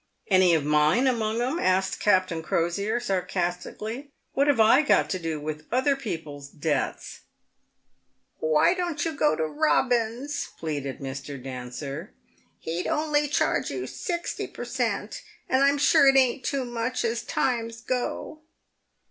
"Any of mine among 'em?" asked Captain Crosier, sarcastically. " What have I got to do with other people's debts ?"" Why don't you go to Eobins ?" pleaded Mr. Dancer. " He'd only charge you sixty per cent., and I'm sure it ain't too much, as times go."